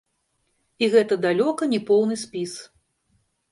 І гэта далёка не поўны спіс.